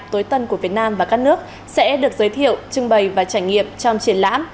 tối tân của việt nam và các nước sẽ được giới thiệu trưng bày và trải nghiệm trong triển lãm